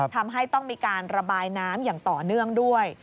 ทำให้ต้องมีการระบายน้ำอย่างต่อเนื่องด้วย